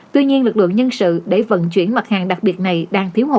tuy nhiên lực lượng nhân sự để vận chuyển mặt hàng đặc biệt này đang thiếu hụt